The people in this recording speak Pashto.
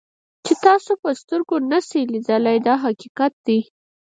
چې تاسو یې په سترګو نشئ لیدلی دا حقیقت دی.